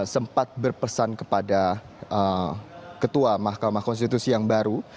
sempat berpesan kepada ketua mahkamah konstitusi yang baru